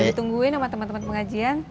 ditungguin sama teman teman pengajian